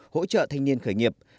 hỗ trợ thanh niên khởi nghiệp